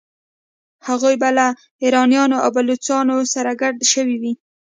هغوی به له ایرانیانو او بلوڅانو سره ګډ شوي وي.